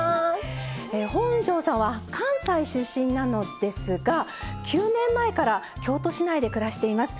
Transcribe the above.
本上さんは関西出身なのですが９年前から京都市内で暮らしています。